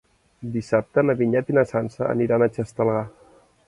Dissabte na Vinyet i na Sança aniran a Xestalgar.